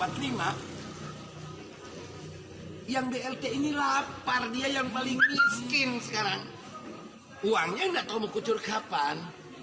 hai yang blt ini lapar dia yang paling miskin sekarang uangnya enggak mau kucur kapan